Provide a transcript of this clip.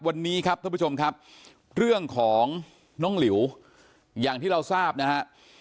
วันนี้ครับท่านผู้ชมครับเรื่องของน้องหลิวอย่างที่เราทราบนะฮะ